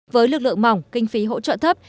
với lực lượng mỏng kinh phí hỗ trợ thấp